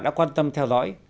đã quan tâm theo dõi